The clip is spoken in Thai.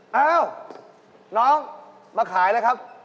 เอ้าน้องมาขายแล้วครับ